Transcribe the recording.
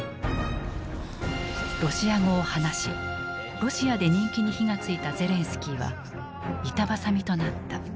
ロシア語を話しロシアで人気に火が付いたゼレンスキーは板挟みとなった。